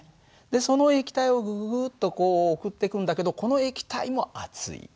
でその液体をグググッと送ってくんだけどこの液体も熱い。